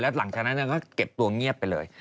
หลังจากนั้นก็เก็บตัวเงียบไปเลย